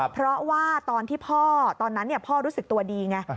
เพราะว่าตอนที่พ่อตอนนั้นพ่อรู้สึกตัวดีไง